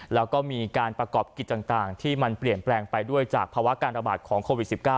แล้วก็มีการประกอบกิจต่างที่มันเปลี่ยนแปลงไปด้วยจากภาวะการระบาดของโควิด๑๙